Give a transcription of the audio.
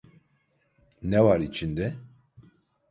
Ne var içinde?